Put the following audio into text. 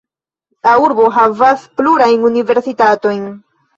La urbo havas plurajn universitatojn.